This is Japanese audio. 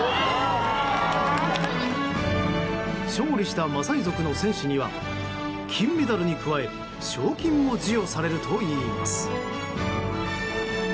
勝利したマサイ族の戦士には金メダルに加え賞金も授与されるといいます。